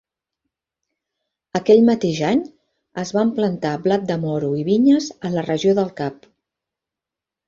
Aquell mateix any, es van plantar blat de moro i vinyes a la regió del Cap.